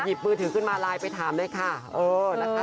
พี่ชายมาไลน์ไปถามได้ค่ะเออนะคะ